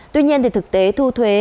tuy nhiên thì thực tế thu thuế